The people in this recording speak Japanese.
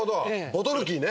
ボトルキーね。